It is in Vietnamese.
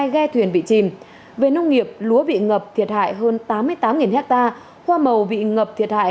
hai trăm sáu mươi hai ghe thuyền bị chìm về nông nghiệp lúa bị ngập thiệt hại hơn tám mươi tám ha hoa màu bị ngập thiệt hại